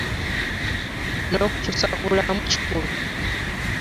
N'okukyusa ku bulamu kikulu.